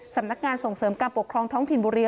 สำนักงานส่งเสริมการปกครองท้องถิ่นบุรี